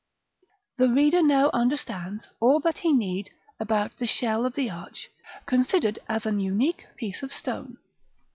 § X. The reader now understands all that he need about the shell of the arch, considered as an united piece of stone.